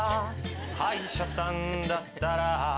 歯医者さんだったら